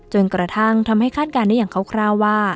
จนกระทั่งทำให้คาดการณ์ได้อย่างคร่าวว่า